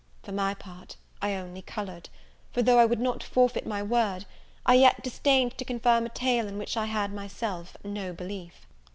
For my part, I only coloured; for though I would not forfeit my word, I yet disdained to confirm a tale in which I had myself no belief.